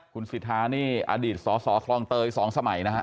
คุณสิทธานี่อดีตสสคลองเตย๒สมัยนะฮะ